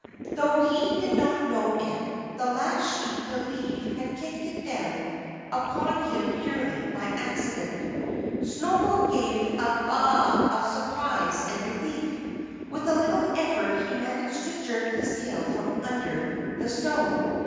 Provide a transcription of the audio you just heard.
Though he did not know it, the last sheep to leave had kicked it down upon him purely by accident. Snowball gave a baa of surprise and relief. With a little effort he managed to jerk his tail from under the stone.